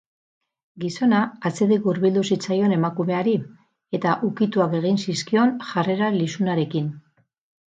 Gizona atzetik hurbildu zitzaion emakumeari, eta ukituak egin zizkion jarrera lizunarekin.